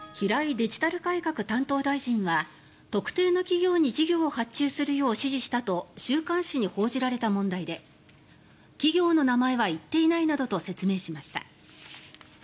デジタル改革担当大臣は特定の企業に事業を発注するよう指示したと週刊誌に報じられた問題で企業の名前は言っていないなどと説明しました。